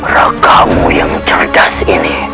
rekamu yang cerdas ini